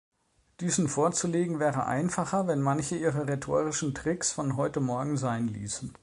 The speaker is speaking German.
Diesen vorzulegen wäre einfacher, wenn manche ihre rhetorischen Tricks von heute morgen sein ließen.